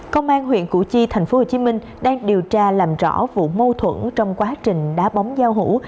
công an huyện củ chi tp hcm đang điều tra làm rõ vụ mâu thuẫn trong quá trình đá bóng giao hữu